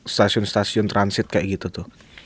stasiun stasiun transit kayak gitu tuh